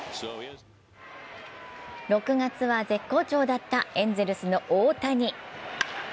６月は絶好調だったエンゼルスの大谷。